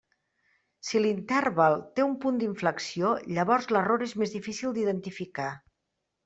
Si l'interval té un punt d'inflexió, llavors l'error és més difícil d'identificar.